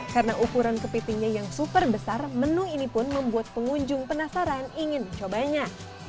karena ukuran kepitingnya yang super besar menu ini pun membuat pengunjung penasaran ingin mencobanya